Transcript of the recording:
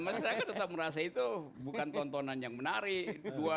masyarakat tetap merasa itu bukan tontonan yang menarik